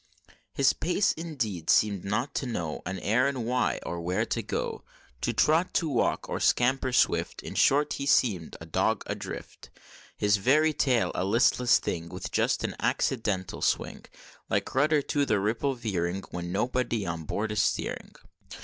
His pace, indeed, seem'd not to know An errand, why, or where to go, To trot, to walk, or scamper swift In short, he seem'd a dog adrift; His very tail, a listless thing, With just an accidental swing, Like rudder to the ripple veering, When nobody on board is steering.